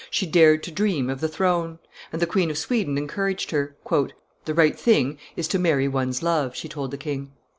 she dared to dream of the throne; and the Queen of Sweden encouraged her. "The right thing is to marry one's love," she told the king.